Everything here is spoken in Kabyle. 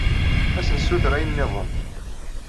Ad as-nessuter ayen nniḍen.